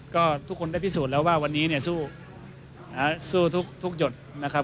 ก็ทุกคนได้ปริสูจน์แล้วว่าวันนี้เลยสู้ซึ่งทุกจุดนะครับ